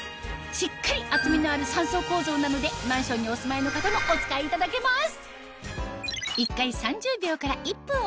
しっかり厚みのある３層構造なのでマンションにお住まいの方もお使いいただけます